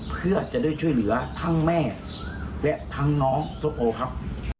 เพื่อจะได้ช่วยเหลือทั้งแม่และทั้งน้องส้มโอครับ